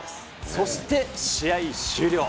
そして試合終了。